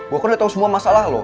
gue kok udah tau semua masalah lo